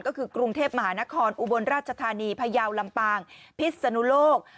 ก็คือกรุงเทพมหานครอุบลราชธานีพยาวลำปางพิษนุโลก